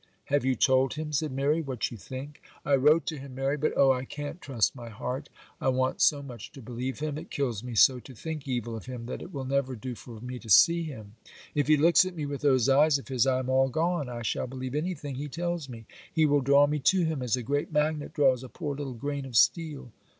'Have you told him,' said Mary, 'what you think?' 'I wrote to him, Mary, but oh, I can't trust my heart! I want so much to believe him; it kills me so to think evil of him that it will never do for me to see him. If he looks at me with those eyes of his I am all gone; I shall believe anything he tells me; he will draw me to him as a great magnet draws a poor little grain of steel.